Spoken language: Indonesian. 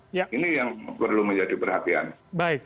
ini yang perlu menjadi perhatian